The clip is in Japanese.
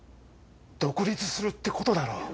独立するってことだろ。